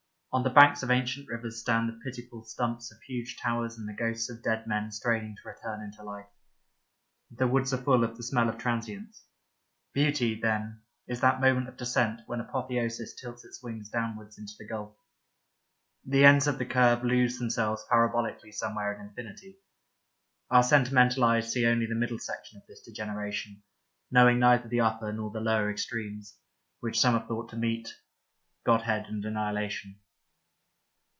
On the banks of ancient rivers stand the pitiful stumps of huge towers and the ghosts of dead men straining to return into life. The woods are full of the smell of transience. Beauty, then, is that moment of descent when apotheosis tilts its wings downwards into the gulf. The ends of the curve lose themselves parabolically somewhere in infinity. Our sentimental eyes see only the middle section of this degeneration, knowing neither the upper nor the lower extremes, which some have thought to meet, godhead and annihilation.